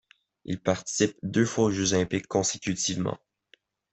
Il participe deux fois aux Jeux olympiques consécutivement.